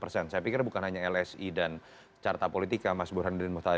saya pikir bukan hanya lsi dan carta politika mas bohan dan mas tadi